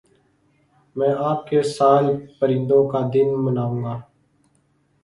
میں اب کے سال پرندوں کا دن مناؤں گا